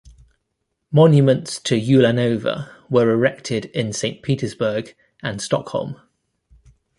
Monuments to Ulanova were erected in Saint Petersburg and Stockholm.